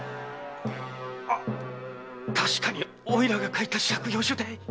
確かにおいらが書いた借用書だ。